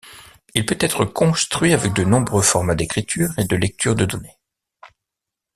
Il peut être construit avec de nombreux formats d'écriture et de lecture de données.